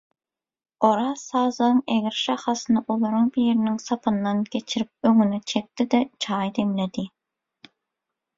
Oraz sazagyň egri şahasyny olaryň biriniň sapyndan geçirip öňüne çekdi-de çaý demledi.